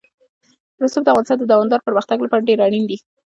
رسوب د افغانستان د دوامداره پرمختګ لپاره ډېر اړین دي.